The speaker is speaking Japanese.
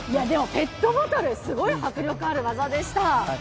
でも、ペットボトル、すごい迫力ある技でした。